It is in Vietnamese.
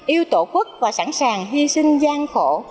yêu tổ quốc và sẵn sàng hy sinh gian khổ